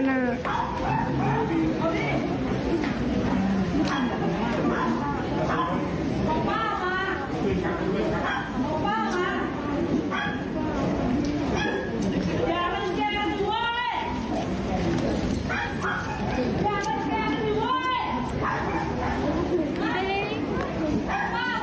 นั้นรู้มีแสดงอย่างที่จะบอกท่านครับว่ามันยังไม่นะ